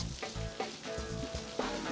kita harus ke tempat ini